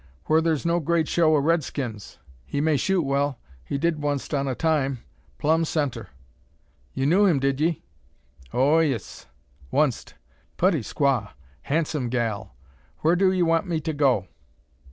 "Whur thur's no great show o' redskins. He may shoot well; he did oncest on a time: plumb centre." "You knew him, did ye?" "O ee es. Oncest. Putty squaw: hansum gal. Whur do 'ee want me to go?"